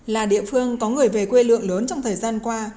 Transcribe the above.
là địa phương có người về quê lượng lớn trong thời gian qua